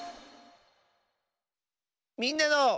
「みんなの」。